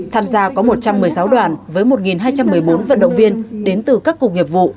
tham gia có một trăm một mươi sáu đoàn với một hai trăm một mươi bốn vận động viên đến từ các cục nghiệp vụ